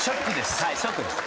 はいショックです。